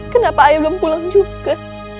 kenapa ayah belum pulang juga